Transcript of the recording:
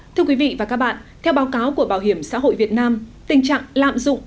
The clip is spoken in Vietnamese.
thưa quý vị và các bạn theo báo cáo của bảo hiểm xã hội việt nam tình trạng lạm dụng